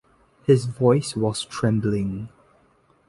His voice was trembling.